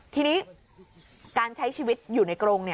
ทีนี้การใช้ชีวิตอยู่ในกรง